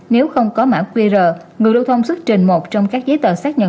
nếu không có mã qr người lưu thông xuất trình một trong các giấy tờ xác nhận